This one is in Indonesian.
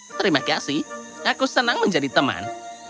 terima kasih aku senang menjadi teman